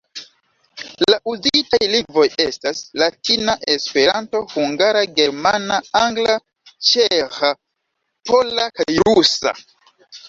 La uzitaj lingvoj estas: latina, Esperanto, hungara, germana, angla, ĉeĥa, pola kaj rusa.